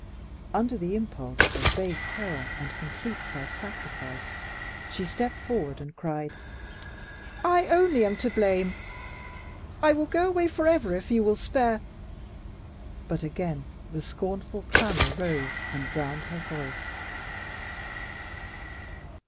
Under the impulse of vague terror and complete self sacrifice, she stepped forward and cried, "I only am to blame. I will go away forever if you will spare " But again the scornful clamor rose and drowned her voice.